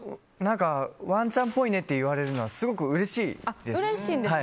ワンちゃんっぽいねと言われるのはすごくうれしいです。